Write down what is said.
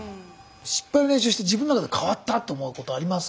失敗の練習して自分の中で変わったと思うことあります？